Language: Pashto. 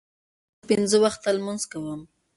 زه پنځه وخته لمونځ کوم.